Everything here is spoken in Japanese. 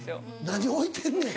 何置いてんねん。